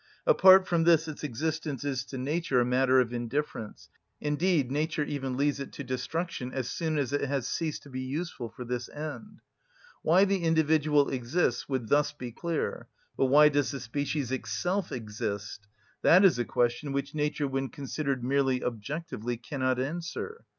Apart from this its existence is to nature a matter of indifference; indeed nature even leads it to destruction as soon as it has ceased to be useful for this end. Why the individual exists would thus be clear; but why does the species itself exist? That is a question which nature when considered merely objectively cannot answer.